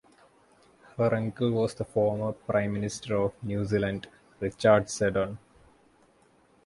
Her uncle was the former Prime Minister of New Zealand Richard Seddon.